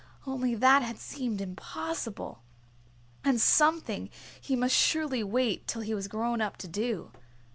Only that had seemed impossible, and something he must surely wait till he was grown up to do.